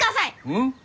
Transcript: うん？